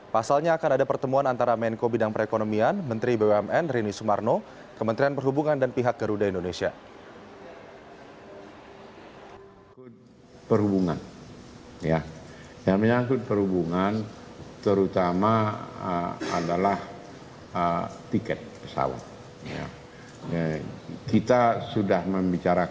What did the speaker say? pasalnya akan ada pertemuan antara menko bidang perekonomian menteri bumn rini sumarno kementerian perhubungan dan pihak garuda indonesia